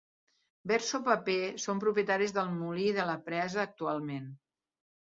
Verso Paper són propietaris del molí i de la presa actualment.